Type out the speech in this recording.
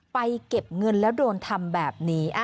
เก็บเงินแล้วโดนทำแบบนี้